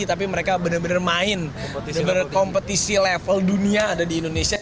tapi mereka benar benar main benar benar kompetisi level dunia ada di indonesia